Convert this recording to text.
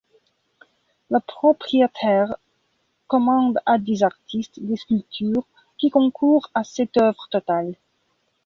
La propriétaire commande à des artistes des sculptures qui concourent à cette œuvre totale.